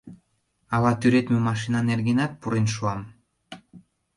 Ала тӱредме машина нергенат пурен шуам.